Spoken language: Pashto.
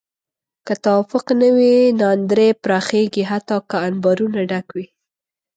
که توافق نه وي، ناندرۍ پراخېږي حتی که انبارونه ډک وي.